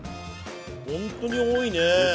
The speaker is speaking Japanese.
本当に多いね。